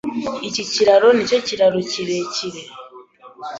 Iki kiraro nicyo kiraro kirekire.